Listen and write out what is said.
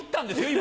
今。